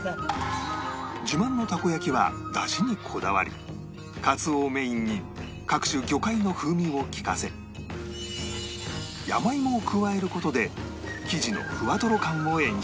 自慢のたこ焼きは出汁にこだわりかつおをメインに各種魚介の風味を利かせ山芋を加える事で生地のふわとろ感を演出